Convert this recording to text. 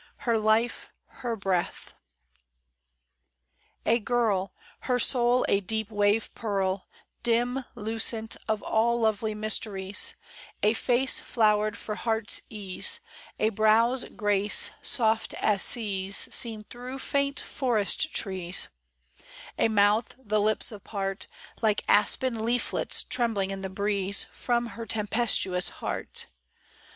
Her life, her breath ! A GIRL, Her soulI a deep wave pearl Dim, lucent of all lovely mysteries ; A face flowered for heart's ease, A brow's grace soft as seas Seen through faint forest trees : A mouth, the lips apart. Like aspen leaflets trembling in the breeze From her tempestuous heart.